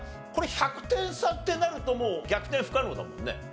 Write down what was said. これ１００点差ってなるともう逆転不可能だもんね。